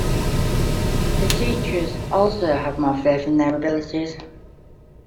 The teachers also have more faith in their abilities.